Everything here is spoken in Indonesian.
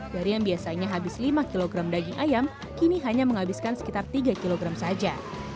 dari yang biasanya habis lima kg daging ayam kini hanya menghabiskan sekitar tiga kg saja